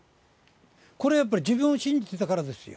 これはやっぱり自分を信じてたからですよ。